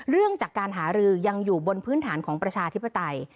เรื่องจากการหารือยังอยู่บนพื้นฐานของประชาธิปไตย